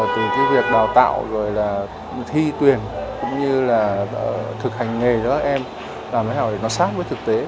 từ cái việc đào tạo rồi là thi tuyển cũng như là thực hành nghề đó em làm thế nào để nó sát với thực tế